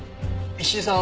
石井さん